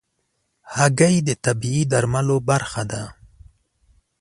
هګۍ د طبيعي درملو برخه ده.